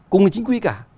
cùng là chính quy cả